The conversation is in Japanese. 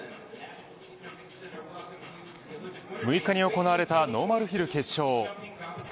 ６日に行われたノーマルヒル決勝。